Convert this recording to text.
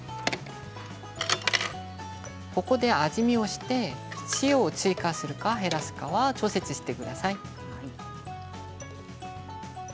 ここで味見をして塩を追加するか調節してください。